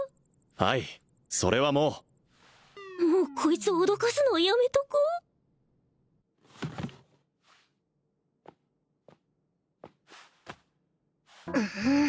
はいそれはもうもうこいつ脅かすのやめとこフン！